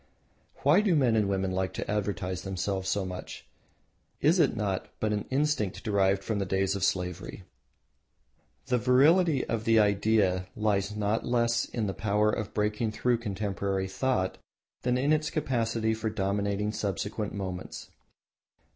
Why do men and women like to advertise themselves so much? Is it not but an instinct derived from the days of slavery? The virility of the idea lies not less in its power of breaking through contemporary thought than in its capacity for dominating subsequent movements.